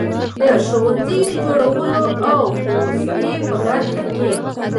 د ښوونځیو د جوړولو او پوستې په برخه کې.